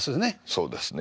そうですね。